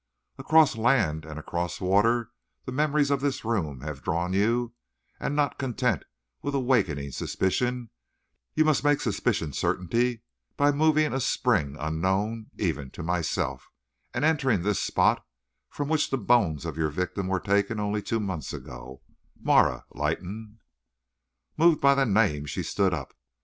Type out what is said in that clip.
Across land and across water the memories of this room have drawn you, and not content with awakening suspicion, you must make suspicion certainty by moving a spring unknown even to myself, and entering this spot, from which the bones of your victim were taken only two months ago, Marah Leighton!" Moved by the name, she stood up.